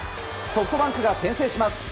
ソフトバンクが先制します。